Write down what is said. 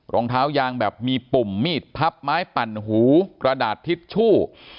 รองเท้ายางแบบมีปุ่มมีดพับไม้ปั่นหูกระดาษทิชชู่